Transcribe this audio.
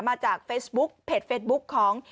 มาจากเฟซบุ๊กเพจเฟสบุ๊กของ